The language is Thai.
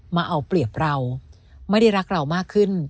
มาเอาเปรียบเราไม่ได้รักเรามากขึ้น